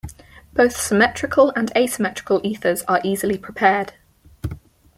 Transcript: Both symmetrical and asymmetrical ethers are easily prepared.